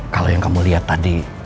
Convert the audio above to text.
kalau yang kamu lihat tadi